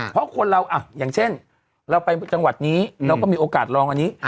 เพราะคนเราอย่างเช่นเราไปจังหวัดนี้เราก็มีโอกาสลองอันนี้